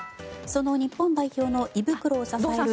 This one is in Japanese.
その日本代表の胃袋を支える。